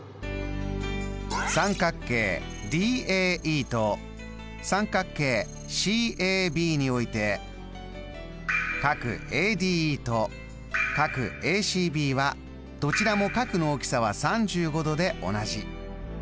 三角形ＤＡＥと三角形ＣＡＢにおいてＡＤＥとＡＣＢはどちらも角の大きさは３５度で同じ。